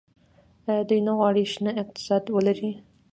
آیا دوی نه غواړي شنه اقتصاد ولري؟